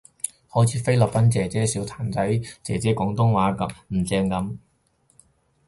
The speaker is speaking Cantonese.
好似菲律賓姐姐笑譚仔姐姐廣東話唔正噉